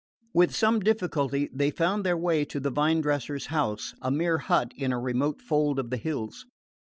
With some difficulty they found their way to the vine dresser's house, a mere hut in a remote fold of the hills.